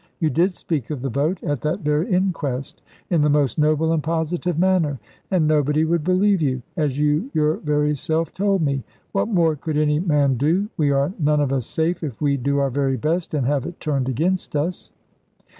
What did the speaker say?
You did speak of the boat at the very inquest, in the most noble and positive manner; and nobody would believe you, as you your very self told me. What more could any man do? We are none of us safe, if we do our very best, and have it turned against us."